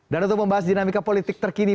dan untuk membahas dinamika politik terkini